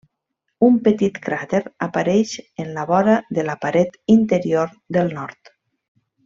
Un petit cràter apareix en la vora de la paret interior del nord.